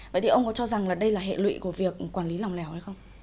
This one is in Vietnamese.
vậy thì ông có cho rằng là đây là hệ lụy của việc quản lý lòng lẻo hay không